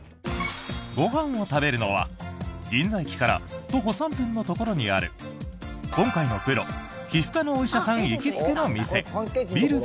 ご飯を食べるのは、銀座駅から徒歩３分のところにある今回のプロ皮膚科のお医者さん行きつけの店ｂｉｌｌｓ